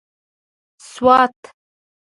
سوات